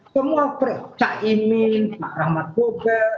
semua pak cak imin pak rahmat boga